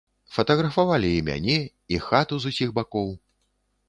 Фатаграфавалі і мяне, і хату з усіх бакоў.